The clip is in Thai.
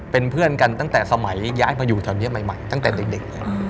เป็นเพื่อนกันตั้งแต่สมัยย้ายมาอยู่แถวนี้ใหม่ตั้งแต่เด็ก